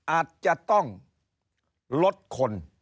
อาจจะต้องลดคน